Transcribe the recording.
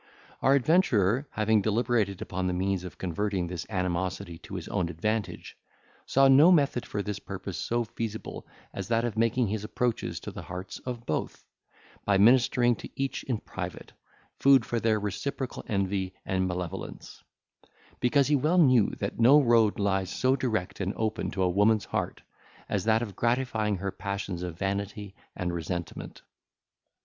Our adventurer having deliberated upon the means of converting this animosity to his own advantage, saw no method for this purpose so feasible as that of making his approaches to the hearts of both, by ministering to each in private, food for their reciprocal envy and malevolence; because he well knew that no road lies so direct and open to a woman's heart as that of gratifying her passions of vanity and resentment.